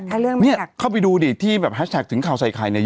ถ้าเรื่องมันหนักเข้าไปดูดิที่แบบถึงข่าวใส่ไข่เนี้ย